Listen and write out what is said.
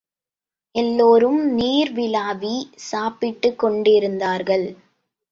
எல்லோரும் நீர் விளாவி, சாப்பிட்டுக் கொண்டிருந்தார்கள்.